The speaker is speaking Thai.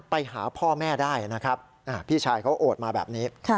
ไปหาพ่อแม่ได้นะครับพี่ชายเขาโอดมาแบบนี้